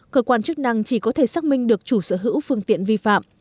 cơ quan chức năng chỉ có thể xác minh được chủ sở hữu phương tiện vi phạm